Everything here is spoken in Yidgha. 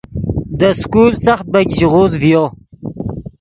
دے سکول سخت بیګ ژیغوز ڤیو